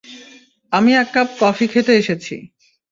আমি এককাপ কফি খেতেছি এসেছি।